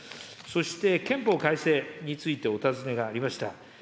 そして憲法改正についてお尋ねがありました。